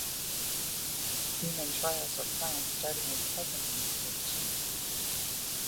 Human trials are planned, starting with Parkinsons patients.